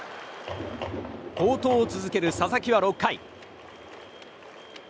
好投を続ける佐々木は６回。